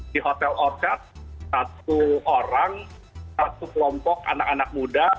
di hotel orcat satu orang satu kelompok anak anak muda